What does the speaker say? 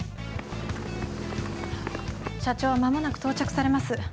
社長は間もなく到着されます。